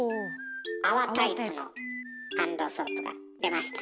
泡タイプのハンドソープが出ましたね。